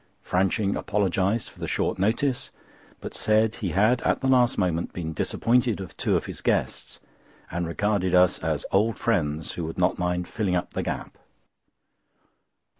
Franching apologised for the short notice; but said he had at the last moment been disappointed of two of his guests and regarded us as old friends who would not mind filling up the gap.